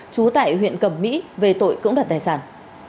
chú tại huyện cầm mỹ về tội cưỡng đoạt tài sản